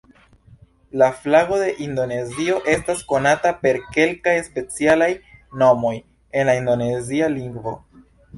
La flago de Indonezio estas konata per kelkaj specialaj nomoj en la indonezia lingvo.